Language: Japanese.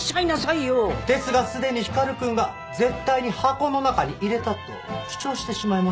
ですがすでに光くんが絶対に箱の中に入れたと主張してしまいました。